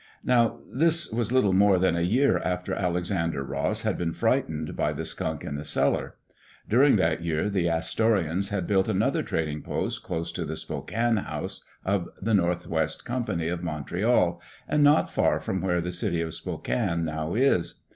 Now this was little more than a year after Alexander Ross had been frightened by the skunk in the cellar. Dur ing that year the Astorians had built another trading post close to the Spokane House of the North West Company of Montreal, and not far from where the city of Spokane now is.